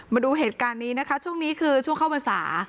มาดูเหตุการณ์นี้นะคะช่วงนี้คือช่วงเข้าพรรษา